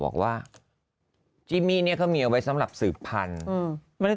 ก่อนเงียบไปแป๊บหนึ่ง